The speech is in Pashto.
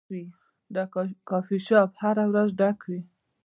دا کافي شاپ هره ورځ ډک وي.